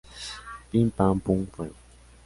Pim, pam, pum... ¡fuego!